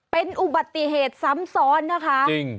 เป็นอุบัติเหตุซ้ำซ้อนนะคะจริง